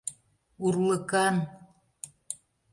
Урлыкан.